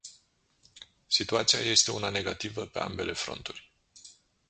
Situația este una negativă pe ambele fronturi.